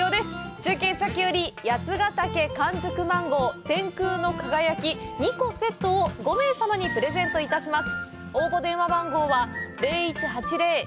中継先より八ヶ岳完熟マンゴー天空の輝き、２個セットを５名様にプレゼントいたします。